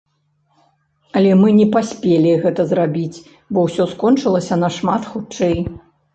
Але мы не паспелі гэтага зрабіць, бо ўсё скончылася нашмат хутчэй.